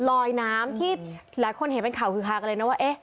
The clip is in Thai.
ลอยน้ำที่หลายคนเห็นเป็นข่าวว่า